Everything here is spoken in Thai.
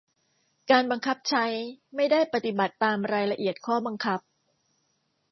การบังคับใช้ไม่ได้ปฏิบัติตามรายละเอียดข้อบังคับ